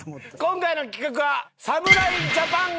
今回の企画は。